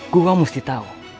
gue mesti tahu